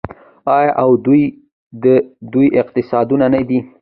آیا او دا دی د دوی اقتصاد نه دی؟